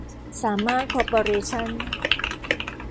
สามารถคอร์ปอเรชั่น